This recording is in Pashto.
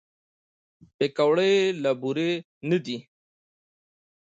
پکورې له بوره نه دي